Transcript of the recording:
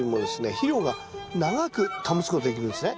肥料が長く保つことできるんですね。